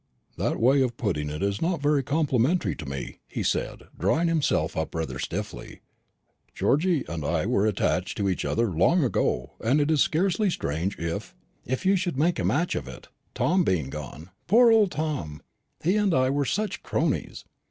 "That way of putting it is not very complimentary to me," he said, drawing himself up rather stiffly. "Georgy and I were attached to each other long ago, and it is scarcely strange if " "If you should make a match of it, Tom being gone. Poor old Tom! He and I were such cronies.